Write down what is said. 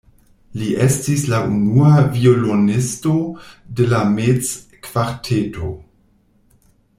Li estis la unua violonisto de la Metz-kvarteto.